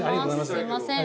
すいません。